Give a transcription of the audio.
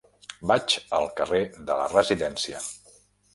Vaig al carrer de la Residència.